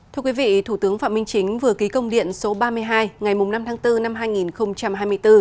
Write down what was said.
thưa quý vị thủ tướng phạm minh chính vừa ký công điện số ba mươi hai ngày năm tháng bốn năm hai nghìn hai mươi bốn